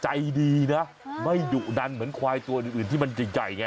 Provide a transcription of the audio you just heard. ใจดีนะไม่ดุดันเหมือนควายตัวอื่นที่มันใหญ่ไง